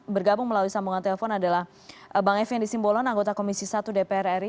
bergabung melalui sambungan telepon adalah bang effendi simbolon anggota komisi satu dpr ri